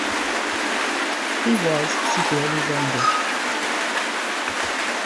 He was severely wounded.